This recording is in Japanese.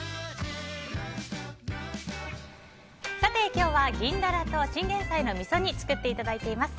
今日は銀ダラとチンゲンサイのみそ煮作っていただいています。